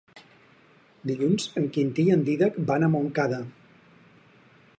Dilluns en Quintí i en Dídac van a Montcada.